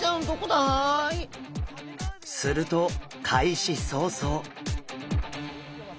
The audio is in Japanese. すると開始早々。